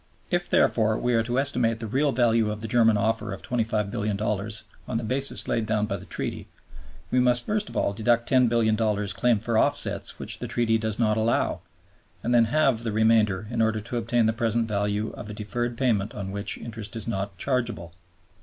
If, therefore, we are to estimate the real value of the German offer of $25,000,000,000 on the basis laid down by the Treaty, we must first of all deduct $10,000,000,000 claimed for offsets which the Treaty does not allow, and then halve the remainder in order to obtain the present value of a deferred payment on which interest is not chargeable.